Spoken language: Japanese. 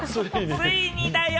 ついにだよ！